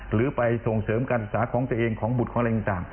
หรือไปส่งเสริมการศึกษาของตัวเองของบุตรของอะไรต่าง